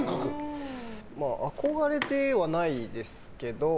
憧れてはないですけど